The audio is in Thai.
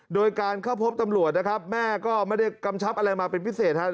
โดยการเข้าพบตำรวจนะครับแม่ก็ไม่ได้กำชับอะไรมาเป็นพิเศษครับ